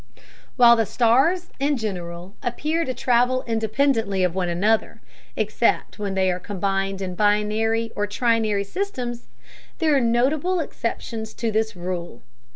While the stars in general appear to travel independently of one another, except when they are combined in binary or trinary systems, there are notable exceptions to this rule.